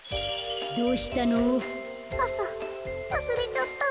どうしたの？